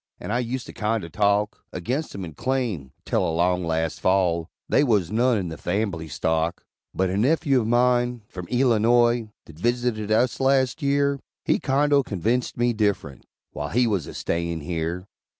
And I ust to kindo talk Aginst 'em, and claim, 'tel along last Fall, They was none in the fambly stock; But a nephew of mine, from Eelinoy, That visited us last year, He kindo convinct me differunt While he was a stayin' here.